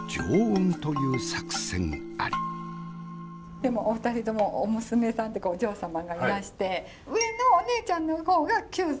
でもお二人ともお娘さんというかお嬢様がいらして上のお姉ちゃんの方が９歳。